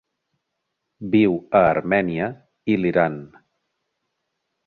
Viu a Armènia i l'Iran.